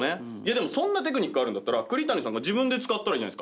でもそんなテクニックあるんだったら栗谷さんが自分で使ったらいいじゃないですか。